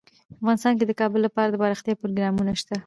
افغانستان کې د کابل لپاره دپرمختیا پروګرامونه شته.